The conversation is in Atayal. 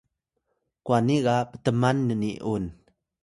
kwani ga ptman nni’un